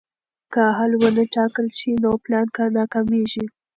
که حل ونه ټاکل شي نو پلان ناکامېږي.